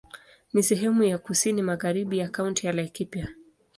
Ni sehemu ya kusini magharibi ya Kaunti ya Laikipia.